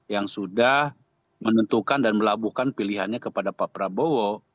yang sudah menentukan dan melabuhkan pilihannya kepada pak prabowo